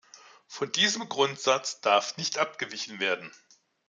Von diesem Grundsatz darf nicht abgewichen werden.